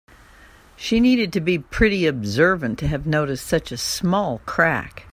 She needed to be pretty observant to have noticed such a small crack.